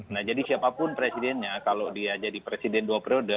nah jadi siapapun presidennya kalau dia jadi presiden dua periode